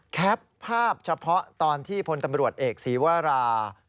แคปภาพเฉพาะตอนที่พลตำรวจเอกศีวรา